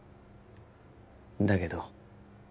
だけど